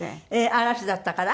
嵐だったから？